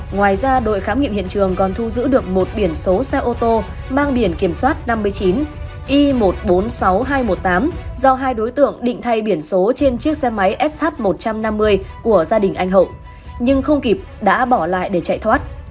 ngoài ra đội khám nghiệm hiện trường còn thu giữ được một biển số xe ô tô mang biển kiểm soát năm mươi chín i một trăm bốn mươi sáu nghìn hai trăm một mươi tám do hai đối tượng định thay biển số trên chiếc xe máy sh một trăm năm mươi của gia đình anh hậu nhưng không kịp đã bỏ lại để chạy thoát